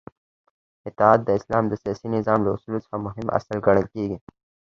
اطاعت د اسلام د سیاسی نظام له اصولو څخه مهم اصل ګڼل کیږی